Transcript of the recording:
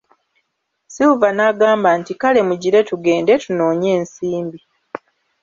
Silver n'agamba nti Kale mugire tugende tunoonye ensimbi.